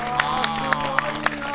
すごいな！